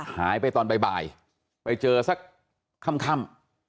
หายไปตอนบ่ายไปเจอสักค่ำ